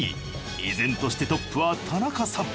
依然としてトップは田中さん。